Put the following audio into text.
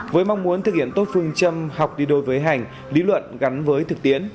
với mong muốn thực hiện tốt phương châm học đi đôi với hành lý luận gắn với thực tiễn